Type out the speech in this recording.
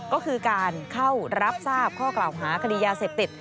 ก็คือการเข้ารับทราบข้อกล่าวหาคดียาเสพติด